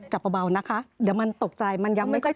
เบานะคะเดี๋ยวมันตกใจมันยังไม่ค่อย